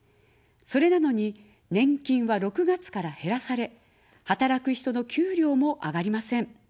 それなのに、年金は６月から減らされ、働く人の給料も上がりません。